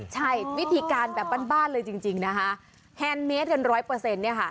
ใช่วิธีการแบบบ้านเลยจริงนะคะแฮนดเมสกันร้อยเปอร์เซ็นต์เนี่ยค่ะ